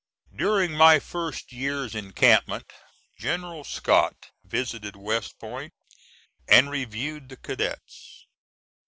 During my first year's encampment General Scott visited West Point, and reviewed the cadets.